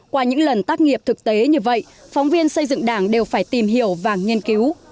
qua những lần tác nghiệp thực tế như vậy phóng viên xây dựng đảng đều phải tìm hiểu và nghiên cứu